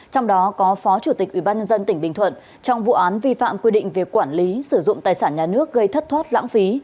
trong đó có phó chủ tịch ubnd tỉnh bình thuận trong vụ án vi phạm quy định về quản lý sử dụng tài sản nhà nước gây thất thoát lãng phí